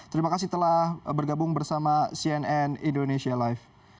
terima kasih telah bergabung bersama cnn indonesia live